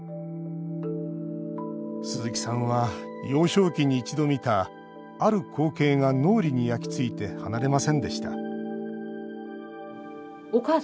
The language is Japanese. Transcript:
鈴木さんは幼少期に一度見たある光景が脳裏に焼き付いて離れませんでした